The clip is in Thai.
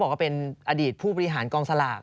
ขอพิท้ายเพราะว่า